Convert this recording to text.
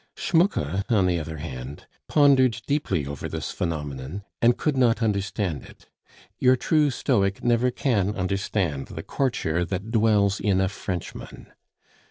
Schmucke, on the other hand, pondered deeply over this phenomenon, and could not understand it; your true stoic never can understand the courtier that dwells in a Frenchman.